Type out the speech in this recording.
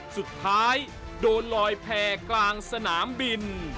สุดท้ายโดนลอยแพร่กลางสนามบิน